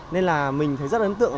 nên là mình thấy rất ấn tượng